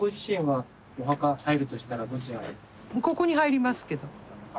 ここに入りますけど。